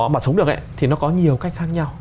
mà sống được thì nó có nhiều cách khác nhau